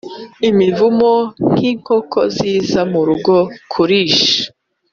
imivumo, nkinkoko, ziza murugo kurisha